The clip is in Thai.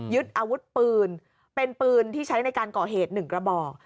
อาวุธปืนเป็นปืนที่ใช้ในการก่อเหตุ๑กระบอก